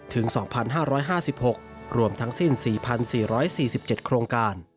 ๒๕๕๖รวมทั้งสิ้น๔๔๔๗โครงการ